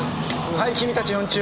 はい君たち四中？